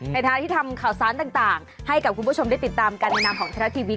ในฐานะที่ทำข่าวสารต่างให้กับคุณผู้ชมได้ติดตามการแนะนำของเทลาทีวี